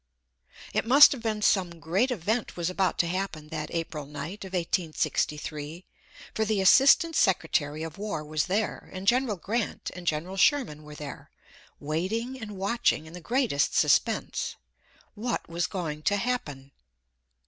It must have been some great event was about to happen that April night of 1863, for the Assistant Secretary of War was there, and General Grant and General Sherman were there, waiting and watching in the greatest suspense. What was going to happen?